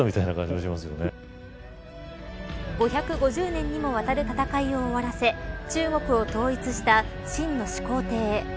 ５５０年にもわたる戦いを終わらせ中国を統一した秦の始皇帝。